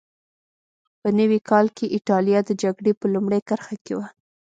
په نوي کال کې اېټالیا د جګړې په لومړۍ کرښه کې وه.